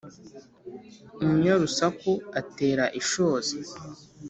umunyarusaku atera ishozi.